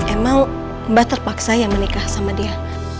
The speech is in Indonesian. emang mbah terpaksa ya menikah sama dia